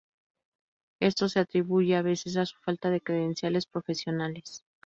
Esto se atribuye a veces a su falta de credenciales profesionales.